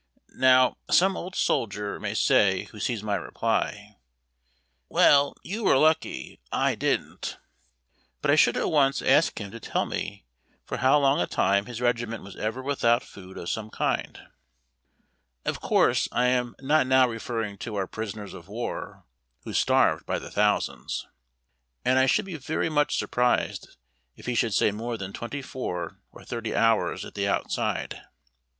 Now, some old soldier may say who sees my reply, " Well, you were lucky. I didn't." But I should at once ask him to tell me for how long a time his regiment was ever without food of some kind. Of course, 108 ARMY RATIONS. 109 I am not now referring to our prisoners of war, who starved by the thousands. And I should be very much surprised if he should say more than twenty four or thirty hours, at the outside.